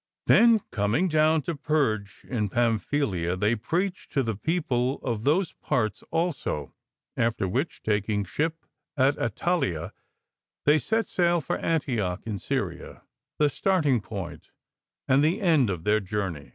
Thenj coming down to Perge in Pamphylia, they preached to the people of those parts also; after which, taking ship at Attalia, they set sail for Antioch in Syria, the starting point and the end of their jpurn^.